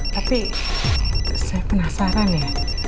tapi saya penasaran ya